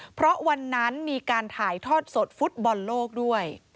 เพราะวันนั้นมีการถ่ายทอดสดฟุตบอลโลกด้วย